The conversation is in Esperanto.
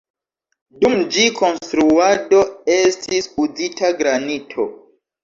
Dum ĝi konstruado estis uzita granito.